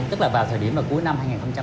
tức là vào thời điểm cuối năm hai nghìn hai mươi